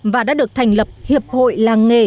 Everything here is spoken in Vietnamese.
và đã được thành lập hiệp hội làng nghề